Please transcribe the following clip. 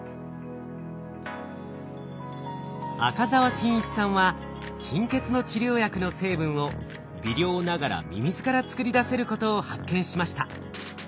赤澤真一さんは貧血の治療薬の成分を微量ながらミミズから作り出せることを発見しました。